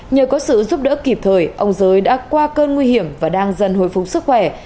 nhờ có sự giúp đỡ kịp thời ông giới đã qua cơn nguy hiểm và đang dần hồi phục sức khỏe